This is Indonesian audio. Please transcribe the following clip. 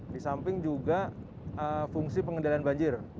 di samping juga fungsi pengendalian banjir